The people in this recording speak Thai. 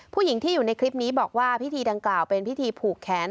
ผู้หญิงที่อยู่ในคลิปนี้บอกว่าพิธีดังกล่าวเป็นพิธีผูกแขน